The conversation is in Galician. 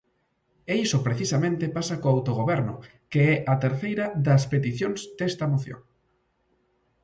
E iso precisamente pasa co autogoberno, que é a terceira das peticións desta moción.